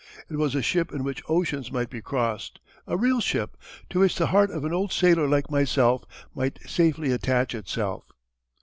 It was a ship in which oceans might be crossed, a real ship, to which the heart of an old sailor like myself might safely attach itself.